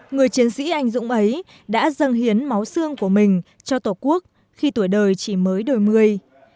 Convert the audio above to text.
người chiến sĩ anh dũng ấy đã dâng hiến máu xương của mình cho tổ quốc khi tuổi đời chỉ mới đổi một mươi